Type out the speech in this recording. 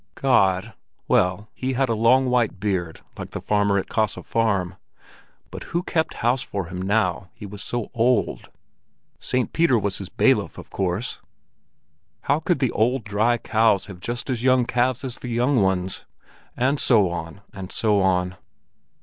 God … well, He had a long white beard like the farmer at Kaase Farm; but who kept house for Him now He was old? Saint Peter was His bailiff, of course!… How could the old, dry cows have just as young calves as the young ones? And so on, and so on.